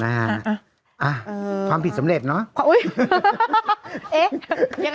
อ่าความผิดสำเร็จเนอะ